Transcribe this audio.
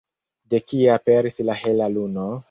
De kie aperis la hela luno?